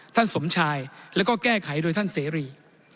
สมชายแล้วก็แก้ไขโดยท่านเสรี